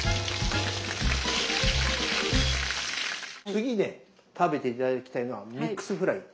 次ね食べて頂きたいのはミックスフライ。